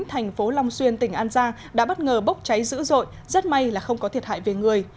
thành phố long xuyên tỉnh an giang đã bất ngờ bốc cháy dữ dội rất may là không có thiệt hại về người